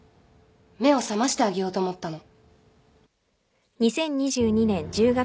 目を覚ましてあげようと思ったの。